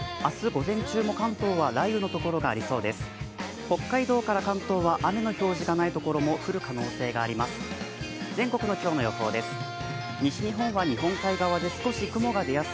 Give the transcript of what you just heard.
午前中も関東は雷雨の所がありそうです。